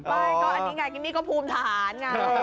อันนี้กับอันนี้ก็ภูมิฐาน